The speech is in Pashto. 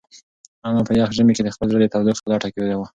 انا په یخ ژمي کې د خپل زړه د تودوخې په لټه کې وه.